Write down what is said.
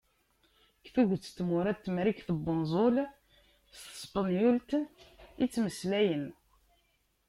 Deg tuget n tmura n Temrikt n Wenẓul s tespenyult i ttmeslayen.